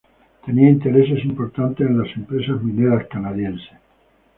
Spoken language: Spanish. Tenía intereses importantes en las empresas mineras canadienses.